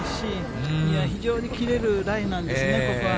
非常に切れるライなんですね、ここは。